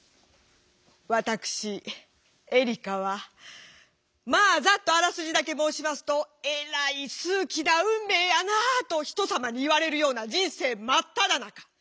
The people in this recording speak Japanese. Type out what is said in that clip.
ワタクシエリカはまぁざっとあらすじだけ申しますとえらい数奇な運命やなぁと人様に言われるような人生真っただ中。